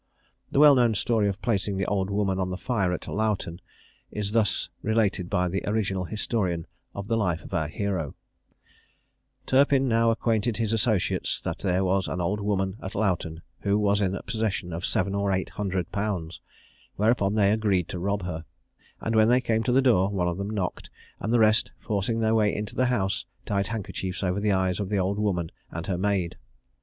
The well known story of placing the old woman on the fire at Loughton is thus related by the original historian of the life of our hero: "Turpin now acquainted his associates that there was an old woman at Loughton who was in possession of seven or eight hundred pounds, whereupon they agreed to rob her; and when they came to the door, one of them knocked, and the rest forcing their way into the house, tied handkerchiefs over the eyes of the old woman and her maid.